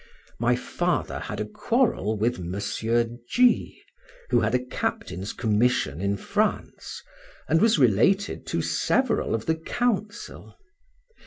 My father had a quarrel with M. G , who had a captain's commission in France, and was related to several of the Council.